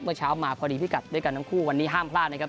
เมื่อเช้ามาพอดีพิกัดด้วยกันทั้งคู่วันนี้ห้ามพลาดนะครับ